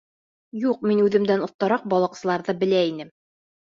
— Юҡ, мин үҙемдән оҫтараҡ балыҡсыларҙы белә инем.